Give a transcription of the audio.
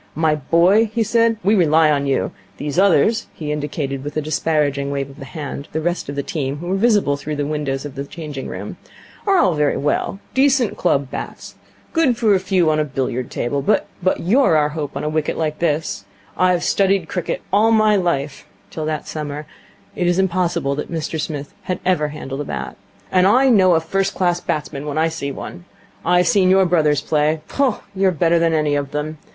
'My boy,' he said, 'we rely on you. These others' he indicated with a disparaging wave of the hand the rest of the team, who were visible through the window of the changing room 'are all very well. Decent club bats. Good for a few on a billiard table. But you're our hope on a wicket like this. I have studied cricket all my life' till that summer it is improbable that Mr Smith had ever handled a bat 'and I know a first class batsman when I see one. I've seen your brothers play. Pooh, you're better than any of them.